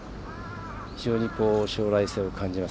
非常に将来性を感じます。